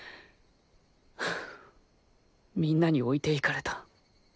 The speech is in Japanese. はぁみんなに置いていかれた。